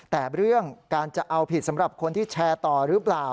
แต่เรื่องการจะเอาผิดสำหรับคนที่แชร์ต่อหรือเปล่า